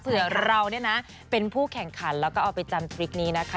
เผื่อเราเนี่ยนะเป็นผู้แข่งขันแล้วก็เอาไปจำทริกนี้นะคะ